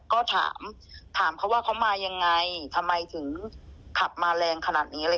ก็ถามถามเขาว่าเขามายังไงทำไมถึงขับมาแรงขนาดนี้อะไร